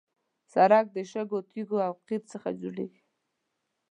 سړک د شګو، تیږو او قیر څخه جوړېږي.